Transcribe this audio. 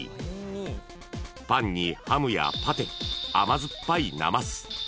［パンにハムやパテ甘酸っぱいなます